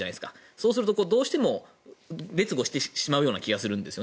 そうすると、どうしても劣後してしまう気がするんです。